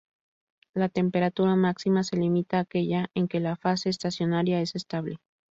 La temperatura máxima se limita a aquella en que la fase estacionaria es estable.